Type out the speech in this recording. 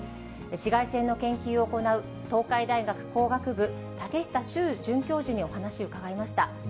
紫外線の研究を行う東海大学工学部、竹下秀准教授にお話伺いました。